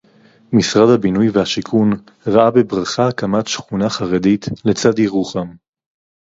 משרד הבינוי והשיכון ראה בברכה הקמת שכונה חרדית לצד ירוחם